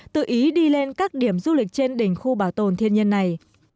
tự ý đi lên các điểm du lịch trên đỉnh khu bảo tồn thiên nhiên này